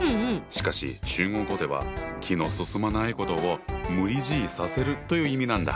しかし中国語では気の進まないことを「無理強いさせる」という意味なんだ。